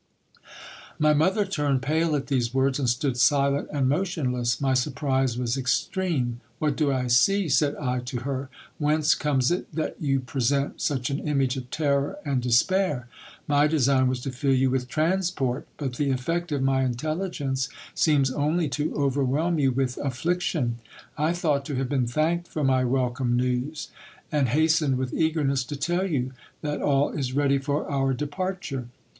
My mother turned pale at these words, and stood silent and motionless. My surprise was extreme. What do I see ? said I to her : whence comes it that you present such an image of terror and despair ? My design was to fill you with transport ; but the effect of my intelligence seems only to overwhelm you with affliction. I thought to have been thanked for my welcome news ; and hastened with eagerness to tell you that all is ready for our departure.